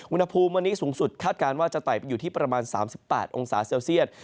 อุณหภูมิวันนี้สูงสุดคาดการณ์ว่าจะไต่ไปอยู่ที่ประมาณ๓๘องศาเซลเซียต